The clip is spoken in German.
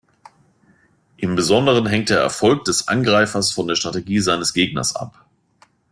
Im Besonderen hängt der Erfolg des Angreifers von der Strategie seines Gegners ab.